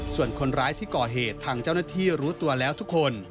ส่วนคนร้ายที่ก่อเหตุทางเจ้าหน้าที่รู้ตัวแล้วทุกคน